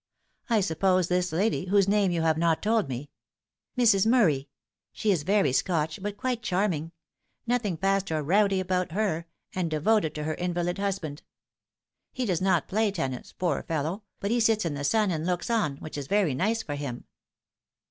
I suppose this lady, whose name you have not told me "" Mrs. Murray. She is very Scotch, but quite charming nothing fast or rowdy about her and devoted to her invalid husband. He does not play tennis, poor fellow, but he sits in the sun and looks on, which is very nice for him."